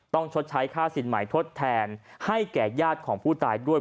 ชดใช้ค่าสินใหม่ทดแทนให้แก่ญาติของผู้ตายด้วย